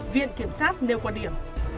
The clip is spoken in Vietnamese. viện kiểm sát nêu quan điểm